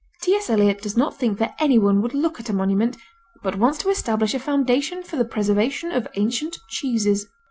T.S. Eliot does not think that anyone would look at a monument, but wants to establish a Foundation for the Preservation of Ancient Cheeses.